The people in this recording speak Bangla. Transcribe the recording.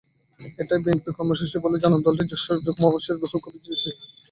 এটাই বিএনপির কর্মসূচি বলে জানান দলটির জ্যেষ্ঠ যুগ্ম মহাসচিব রুহুল কবির রিজভী।